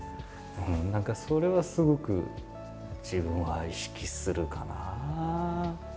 何かそれはすごく自分は意識するかな。